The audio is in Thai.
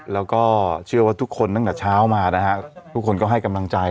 แล้วก็เชื่อว่าทุกคนตั้งแต่เช้ามานะฮะทุกคนก็ให้กำลังใจ